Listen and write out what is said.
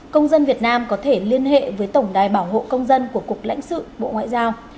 công dân việt nam có thể liên hệ với tổng đài bảo hộ công dân của cục lãnh sự bộ ngoại giao